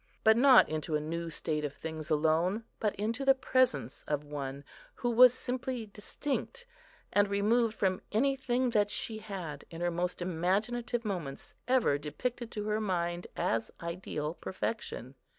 But not into a new state of things alone, but into the presence of One who was simply distinct and removed from anything that she had, in her most imaginative moments, ever depicted to her mind as ideal perfection.